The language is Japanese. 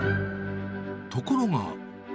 ところが。